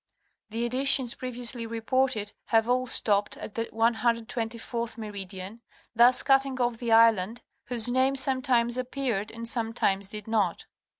The editions previously reported have all stopped at the 124th meridian, thus cutting off the island, whose name sometimes appeared and some times did not.